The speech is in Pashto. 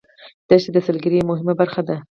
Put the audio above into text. دښتې د سیلګرۍ یوه مهمه برخه ده.